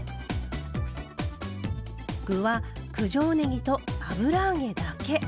具は九条ねぎと油揚げだけ。